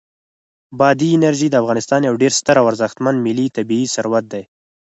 بادي انرژي د افغانستان یو ډېر ستر او ارزښتمن ملي طبعي ثروت دی.